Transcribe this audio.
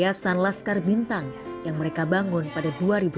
yaya san laskar bintang yang mereka bangun pada dua ribu tiga belas